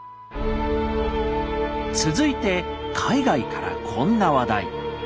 続いて海外からこんな話題。